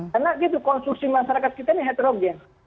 karena gitu konstruksi masyarakat kita ini heterogen